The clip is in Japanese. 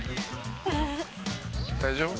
「大丈夫？